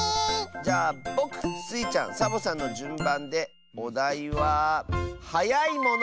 じゃあぼくスイちゃんサボさんのじゅんばんでおだいは「はやいもの」！